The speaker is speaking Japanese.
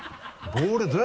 ボールは。